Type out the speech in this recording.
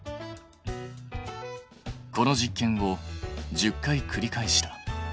この実験を１０回くり返した。